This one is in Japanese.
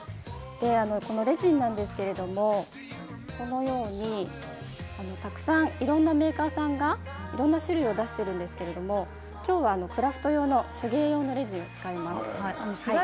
レジンなんですけれどもこのようにたくさんいろんなメーカーさんがいろんな種類を出しているんですけれども今日はクラフト用の手芸用のものを使います。